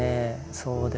そうですね